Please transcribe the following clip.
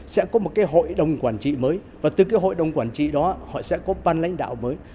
sẽ có một cái hội đồng quản trị mới và từ cái hội đồng quản trị đó họ sẽ có ban lãnh đạo mới